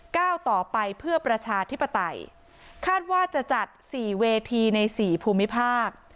ก้าวต่อไปเพื่อประชาธิปไตยคาดว่าจะจัดสี่เวทีในสี่ภูมิภาค